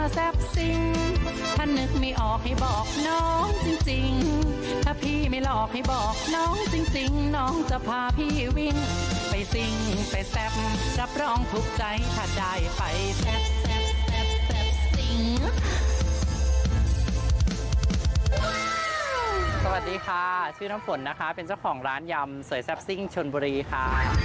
สวัสดีค่ะชื่อน้ำฝนนะคะเป็นเจ้าของร้านยำสวยแซ่บซิ่งชนบุรีค่ะ